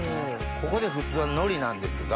ここで普通はのりなんですが。